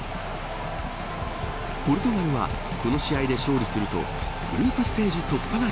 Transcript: ポルトガルはこの試合で勝利するとグループステージ突破が